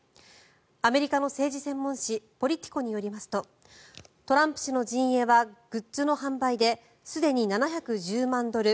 アメリカの政治専門紙ポリティコによりますとトランプ氏の陣営はグッズの販売ですでに７１０万ドル